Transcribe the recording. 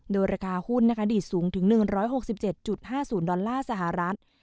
โดยราคาหุ้นนะคะดีดสูงถึง๑๖๗๕๐ดอลลาร์สหรัฐ